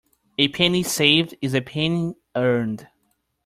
A penny saved is a penny earned.